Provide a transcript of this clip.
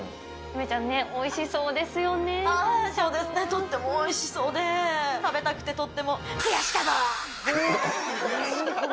ゆめちゃんね、おいしそうでああ、そうですね、とってもおいしそうで、食べたくて、とってもくやシカゴ！